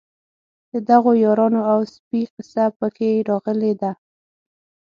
د دغو یارانو او سپي قصه په کې راغلې ده.